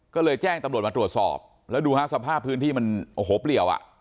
ก็เลยแจ้งตำรวจมาตรวจสอบแล้วดูฮะสภาพพื้นที่มันโอ้โหเปลี่ยวอ่ะ